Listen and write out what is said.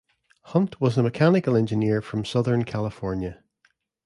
Hunt was a mechanical engineer from Southern California.